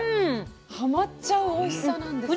はまっちゃうおいしさなんです。